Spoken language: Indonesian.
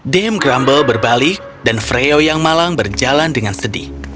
dame grumble berbalik dan freo yang malang berjalan dengan sedih